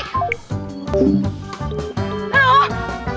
ฮัลโหล